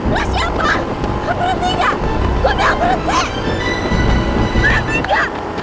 lu siapa berarti gak gue bilang berarti berarti gak